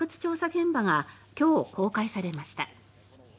現場が今日、公開されました。